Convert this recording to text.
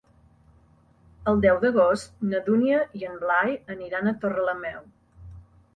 El deu d'agost na Dúnia i en Blai aniran a Torrelameu.